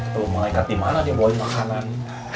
tuh mereka di mana dia bawain makanan